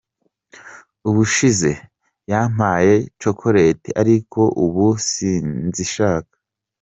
Ubushize yampaye Chocolat ariko ubu sinzishaka.